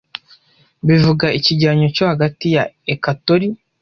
bivuga ikigereranyo cyo hagati ya ecatori